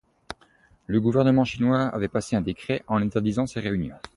Le gouvernement chinois avait passé un décret en interdisant ces réunions.